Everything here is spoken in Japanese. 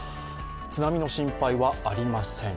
津波の心配はありません。